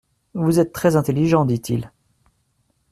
Vous êtes très intelligent, dit-il.